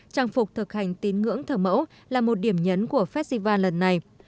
trang phục thực hành tín ngưỡng thờ mẫu là một điểm nhấn của festival lần này